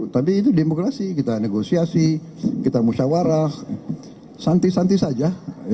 tapi itu demokrasi kita negosiasi kita musyawarah santi santi saja